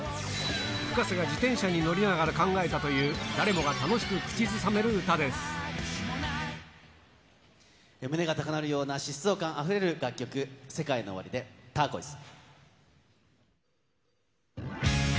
Ｆｕｋａｓｅが自転車に乗りながら考えたという、誰もが楽しく口胸が高鳴るような、疾走感あふれる楽曲、ＳＥＫＡＩＮＯＯＷＡＲＩでターコイズ。